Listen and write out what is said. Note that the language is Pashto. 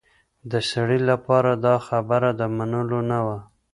د سړي لپاره دا خبره د منلو نه وه.